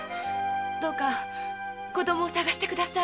どうか子供を捜して下さい。